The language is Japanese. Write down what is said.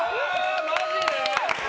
マジで！？